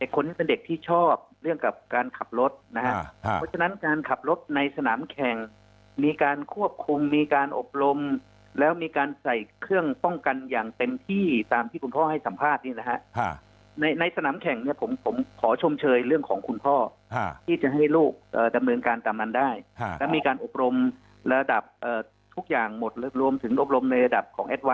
คนที่เป็นเด็กที่ชอบเรื่องกับการขับรถนะครับเพราะฉะนั้นการขับรถในสนามแข่งมีการควบคุมมีการอบรมแล้วมีการใส่เครื่องป้องกันอย่างเต็มที่ตามที่คุณพ่อให้สัมภาษณ์นี่นะฮะในสนามแข่งเนี่ยผมขอชมเชยเรื่องของคุณพ่อที่จะให้ลูกดำเนินการตามนั้นได้และมีการอบรมระดับทุกอย่างหมดรวมถึงอบรมในระดับของแอดวา